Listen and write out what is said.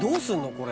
これ。